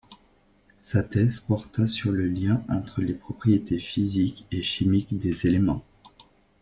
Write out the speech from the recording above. Sa thèse porta sur le lien entre les propriétés physiques et chimiques des éléments.